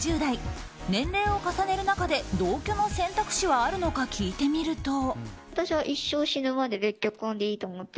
年齢を重ねる中で同居の選択肢はあるのか聞いてみると。